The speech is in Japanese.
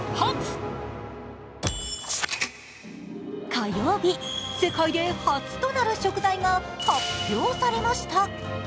火曜日、世界で初となる食材が発表されました。